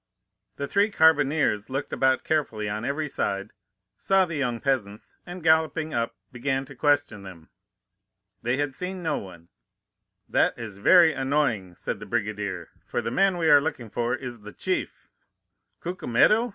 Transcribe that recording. The three carbineers looked about carefully on every side, saw the young peasants, and galloping up, began to question them. They had seen no one. "'That is very annoying,' said the brigadier; for the man we are looking for is the chief.' "'Cucumetto?